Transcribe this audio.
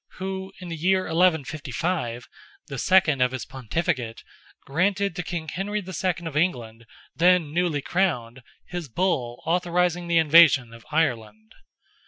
who, in the year 1155—the second of his Pontificate—granted to King Henry II. of England, then newly crowned, his Bull authorising the invasion of Ireland.